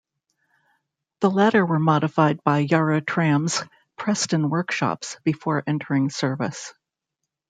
The latter were modified by Yarra Trams' Preston Workshops before entering service.